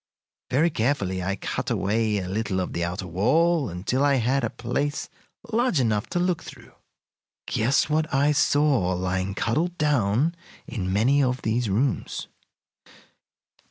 Very carefully I cut away a little of the outer wall until I had a place large enough to look through. Guess what I saw lying cuddled down in many of these rooms?